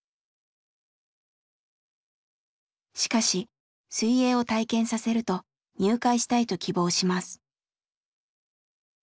しかし水泳を体験させると入会したいと希望します。